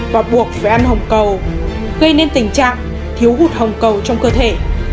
và buộc phải ăn hồng cầu gây nên tình trạng thiếu hụt hồng cầu trong cơ thể